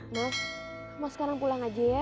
mas mas sekarang pulang aja ya